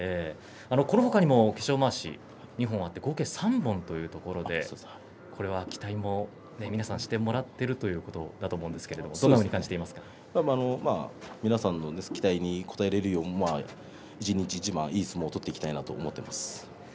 このほかにも化粧まわしが２本あって合計３本ということで期待を皆さんにしてもらっているということだと皆さんの期待に応えられるよう、一日一番いい相撲を取っていきたいなと思っています。